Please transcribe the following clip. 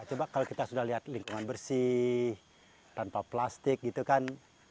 coba kalau kita sudah lihat lingkungan bersih tanpa plastik gitu kan